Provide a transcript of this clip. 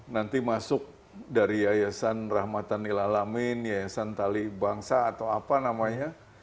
nanti masuk dari yayasan rahmatan nilalamin ⁇ yayasan tali bangsa atau apa namanya